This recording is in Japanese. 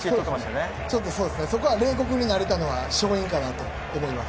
そこは冷酷になれたのが勝因かなと思います。